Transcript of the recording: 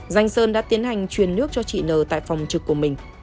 danh sơn đã tiến hành truyền nước cho chị n tại phòng trực của mình